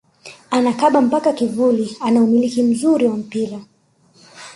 Anakaba mpaka kivuli ana umiliki mzuri wa mpira